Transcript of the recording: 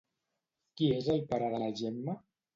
Qui és el pare de la Gemma?